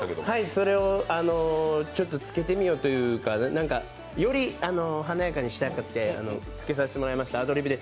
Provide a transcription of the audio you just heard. それを、ちょっとつけてみようというかより華やかにしたくて、つけさせてもらいました、アドリブで。